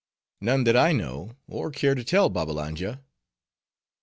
"None that I know, or care to tell, Babbalanja."